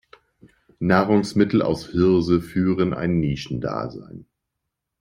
Nahrungsmittel aus Hirse führen ein Nischendasein.